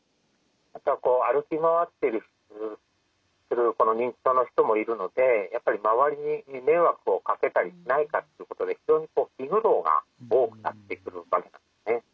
あとは歩き回ってたりする認知症の人もいるのでやっぱり周りに迷惑をかけたりしないかっていうことで非常に気苦労が多くなってくるわけなんですね。